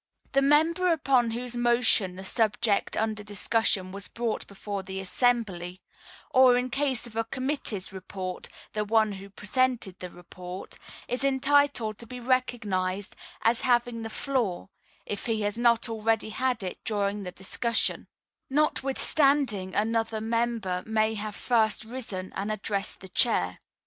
The member upon whose motion the subject under discussion was brought before the assembly (or, in case of a committee's report, the one who presented the report) is entitled to be recognized as having the floor (if he has not already had it during that discussion), notwithstanding another member may have first risen and addressed the Chair.